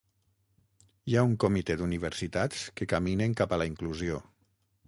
Hi ha un comitè d'universitats que caminen cap a la inclusió.